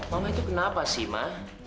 mama itu kenapa sih ma